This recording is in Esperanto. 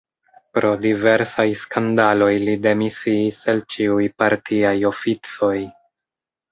Pro diversaj skandaloj li demisiis el ĉiuj partiaj oficoj.